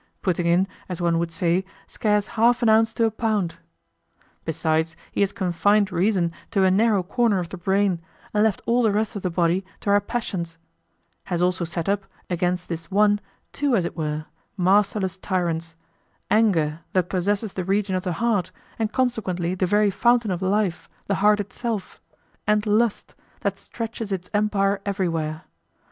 putting in, as one would say, "scarce half an ounce to a pound." Besides, he has confined reason to a narrow corner of the brain and left all the rest of the body to our passions; has also set up, against this one, two as it were, masterless tyrants anger, that possesses the region of the heart, and consequently the very fountain of life, the heart itself; and lust, that stretches its empire everywhere.